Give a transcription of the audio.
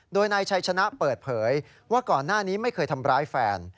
โดยนายชัยชนะเปิดเผยว่าก่อนหน้านี้ไม่เคยทำร้ายแฟน